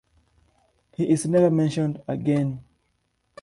He is never mentioned again.